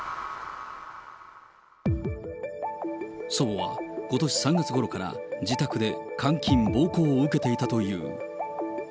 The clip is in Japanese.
祖母はことし３月ごろから、自宅で監禁・暴行を受けていたという。